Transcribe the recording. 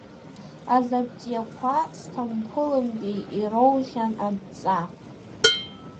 Азаптиақуа Сҭампылынтәи ироухьан адҵа…